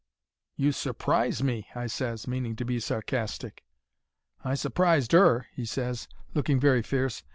"'You sur prise me,' I ses, meaning to be sarcastic. "'I surprised her,' he ses, looking very fierce.